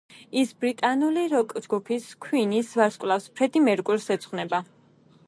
ის ბრიტანული როკ-ჯგუფის, „ქუინის“ ვარსკვლავს, ფრედი მერკურის ეძღვნება.